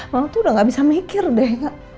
mama tuh udah nggak bisa mikir deh